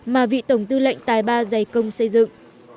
mà vị tổng tư lệnh tài ba dày công xây dựng